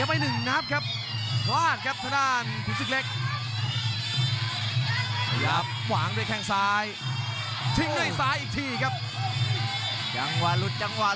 มีคนสั่งอีกครั้ง